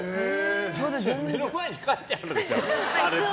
目の前に書いてあるんじゃ？